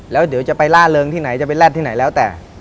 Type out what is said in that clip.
แล้วเดี๋ยวจะไปล่าเริงที่ไหนจะไปแรดที่ไหนแล้วแต่